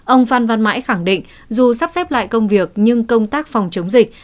ông phan văn mãi khẳng định dù sắp xếp lại công việc nhưng công tác phòng chống dịch